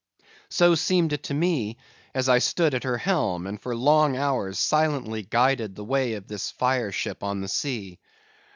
So seemed it to me, as I stood at her helm, and for long hours silently guided the way of this fire ship on the sea.